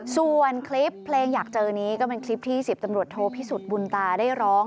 ส่วนคลิปเพลงอยากเจอนี้ก็เป็นคลิปที่๑๐ตำรวจโทพิสุทธิบุญตาได้ร้อง